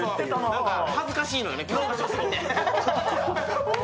なんか恥ずかしいのよね、教科書すぎて。